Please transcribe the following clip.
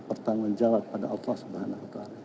bertanggung jawab pada allah swt